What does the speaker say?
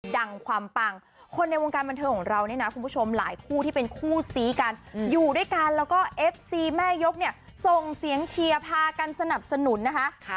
ความปังคนในวงการบันเทิงของเราเนี่ยนะคุณผู้ชมหลายคู่ที่เป็นคู่ซีกันอยู่ด้วยกันแล้วก็เอฟซีแม่ยกเนี่ยส่งเสียงเชียร์พากันสนับสนุนนะคะ